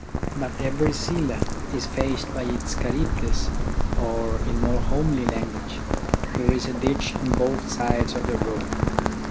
But every Scylla is faced by its Charybdis — or, in more homely language, there is a ditch on both sides of the road.